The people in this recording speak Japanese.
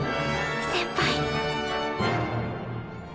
先輩